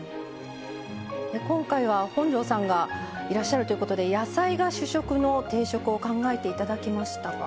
今回は本上さんがいらっしゃるということで野菜が主食の定食を考えて頂きましたが。